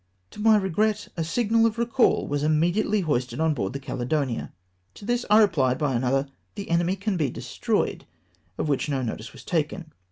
To my regret, a signal of recall was immediately hoisted on board the Caledonia ! To this I rephed by another, " The enemy can he destroyed ;" of which no notice was taken.